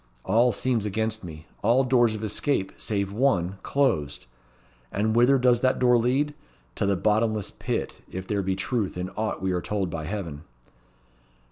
All seems against me; all doors of escape save one closed. And whither does that door lead? To the Bottomless Pit, if there be truth in aught we are told by Heaven."